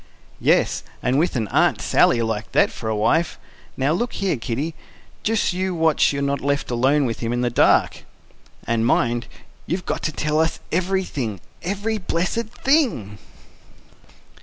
"Yes, and with an Aunt Sally like that for a wife. Now look here, Kiddy, just you watch you're not left alone with him in the dark." "And mind, you've got to tell us everything every blessed thing!"